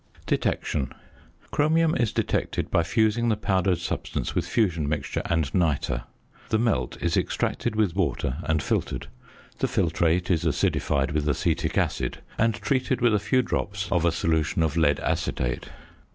~Detection.~ Chromium is detected by fusing the powdered substance with "fusion mixture" and nitre. The melt is extracted with water and filtered. The filtrate is acidified with acetic acid, and treated with a few drops of a solution of lead acetate.